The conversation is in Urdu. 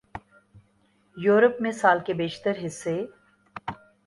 یورپ میں سال کے بیشتر حصے